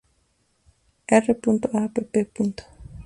R. App.